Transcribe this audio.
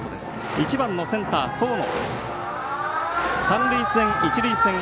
１番のセンター僧野。